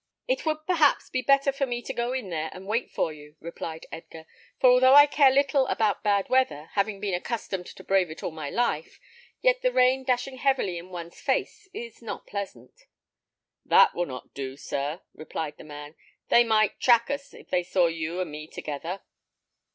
"It would, perhaps, be better for me to go in there and wait for you," replied Edgar; "for although I care little about bad weather, having been accustomed to brave it all my life, yet the rain dashing heavily in one's face is not pleasant." "That will not do, sir," replied the man; "they might track us, if they saw you and me together."